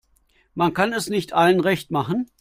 Man kann es nicht allen recht machen.